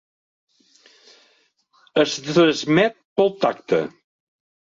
Es transmet pel tacte.